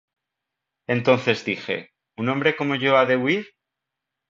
Entonces dije: ¿Un hombre como yo ha de huir?